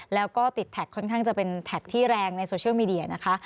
แล้วก็ติดแท็กค่อนข้างจะเป็นแท็กที่แรงในโซเชียลมีเดียนะคะ